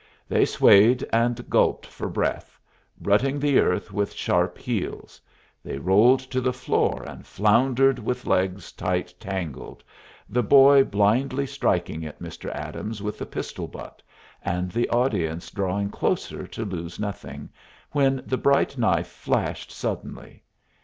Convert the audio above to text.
They swayed and gulped for breath, rutting the earth with sharp heels; they rolled to the floor and floundered with legs tight tangled, the boy blindly striking at Mr. Adams with the pistol butt, and the audience drawing closer to lose nothing, when the bright knife flashed suddenly.